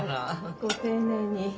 ご丁寧に。